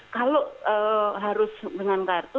kalau harus dengan kartu